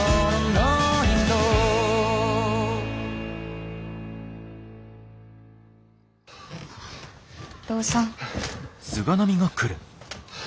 お父さん。